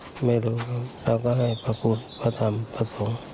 ห้ะไม่รู้ครับเราก็ให้พระภูทิพระธรรมพระศงษ์